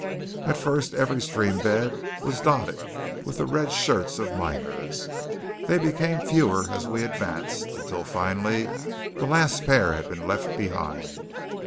At first every stream bed was dotted with the red shirts of miners. They became fewer as we advanced, until finally the last pair had been left behind.